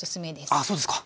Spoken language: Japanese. あそうですか。